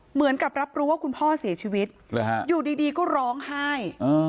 เหมือนกับรับรู้ว่าคุณพ่อเสียชีวิตอยู่ดีก็ร้องไห้